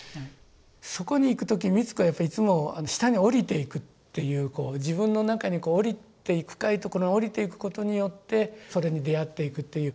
そこに行く時に美津子はやっぱりいつも下に下りていくっていう自分の中にこう下りて深い所に下りていくことによってそれに出会っていくという。